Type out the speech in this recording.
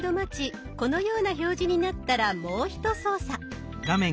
このような表示になったらもうひと操作。